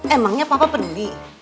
emangnya papa peduli